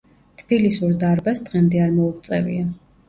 თბილისურ დარბაზს დღემდე არ მოუღწევია.